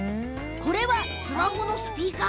こちらはスマホ用のスピーカー。